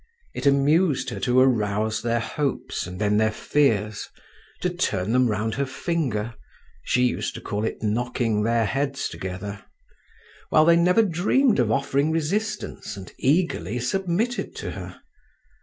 It amused her to arouse their hopes and then their fears, to turn them round her finger (she used to call it knocking their heads together), while they never dreamed of offering resistance and eagerly submitted to her.